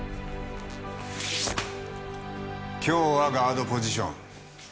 今日はガードポジション。